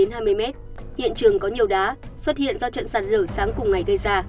hiện trường có nhiều đá xuất hiện do trận sạt lở sáng cùng ngày gây ra